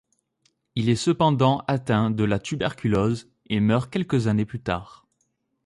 Il est cependant atteint de la tuberculose et meurt quelques années plus tard.